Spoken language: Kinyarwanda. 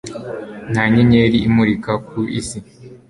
nka nyenyeri imurika ku isi